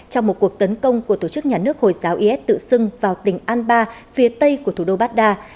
trong một cuộc tấn công của tổ chức nhà nước hồi giáo is tự xưng vào tỉnh alba phía tây của thủ đô baghdad